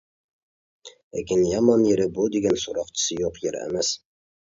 لېكىن يامان يېرى بۇ دېگەن «سوراقچىسى يوق يەر ئەمەس» .